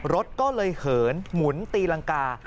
รถก็เลยเหินหมุนตีรังกา